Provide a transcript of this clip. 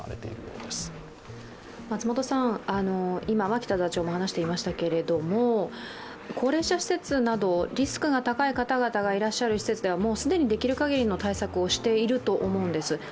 今、脇田座長も話していましたけど高齢者施設などリスクが高い方々がいらっしゃる施設ではもう既にできるかぎりの対策をしていると思うんです。